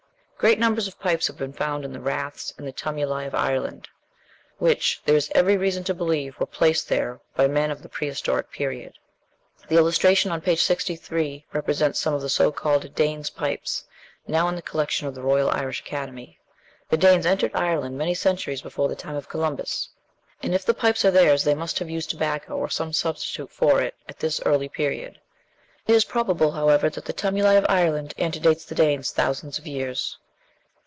Great numbers of pipes have been found in the raths and tumuli of Ireland, which, there is every reason to believe, were placed there by men of the Prehistoric Period. The illustration on p. 63 represents some of the so called "Danes' pipes" now in the collection of the Royal Irish Academy. The Danes entered Ireland many centuries before the time of Columbus, and if the pipes are theirs, they must have used tobacco, or some substitute for it, at that early period. It is probable, however, that the tumuli of Ireland antedate the Danes thousands of years.